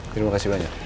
terima kasih banyak